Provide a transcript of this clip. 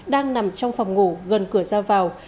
đang nằm trong phòng ngủ gần cửa ra vào